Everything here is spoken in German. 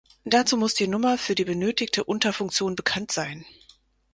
Dazu muss die Nummer für die benötigte Unterfunktion bekannt sein.